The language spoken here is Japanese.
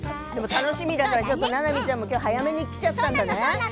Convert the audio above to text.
楽しみだからきょうはななみちゃんも早めに来ちゃったのね。